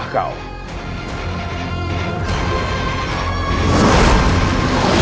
jangan lupa untuk berikan duit